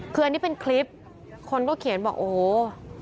คืออันนี้เป็นคลิปคนก็เขียนบอกโอ้โห